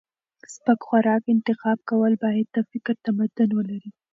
سپک خوراک انتخاب کول باید د فکر تمرین ولري.